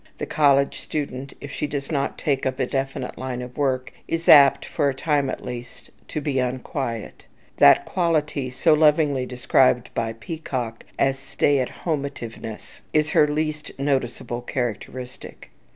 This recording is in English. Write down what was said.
The college student, if she does not take up a definite line of work, is apt, for a time at least, to be unquiet. That quality so lovingly described by Peacock as "stayathomeativeness" is her least noticeable characteristic.